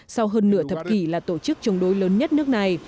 sau hơn nửa thập kỷ là tổ chức chống đối lớn nhất nước này